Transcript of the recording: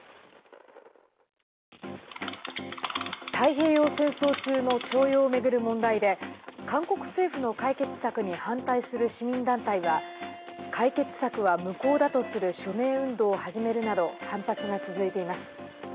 太平洋戦争中の徴用を巡る問題で韓国政府の解決策に反対する市民団体は解決策は無効だとする署名運動を始めるなど反発が続いています。